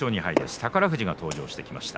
宝富士が登場してきました。